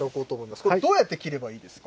これ、どうやって切ればいいですか。